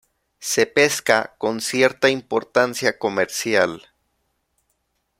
Se pesca con cierta importancia comercial.